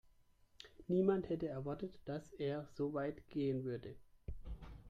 Niemand hätte erwartet, dass er so weit gehen würde.